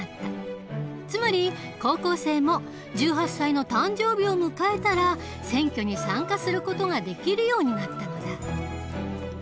つまり高校生も１８歳の誕生日を迎えたら選挙に参加する事ができるようになったのだ。